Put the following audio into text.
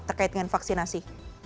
terkait dengan vaksinasi